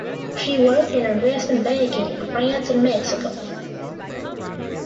She worked in investment banking in France and Mexico.